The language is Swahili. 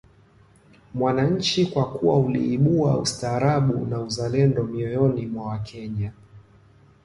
mwananchi kwa kuwa uliibua ustaarabu na uzalendo mioyoni mwa Wakenya